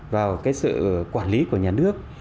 vào cái sự quản lý của nhà nước